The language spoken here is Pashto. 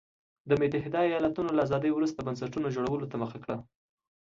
د متحده ایالتونو له ازادۍ وروسته بنسټونو جوړولو ته مخه کړه.